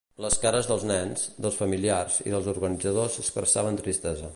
Les cares dels nens, dels familiars i dels organitzadors expressaven tristesa.